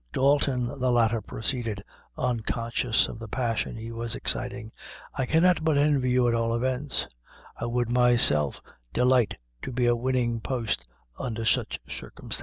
"Dalton," the latter proceeded, unconscious of the passion he was exciting, "I cannot but envy you at all events; I would myself delight to be a winning post under such circumstances."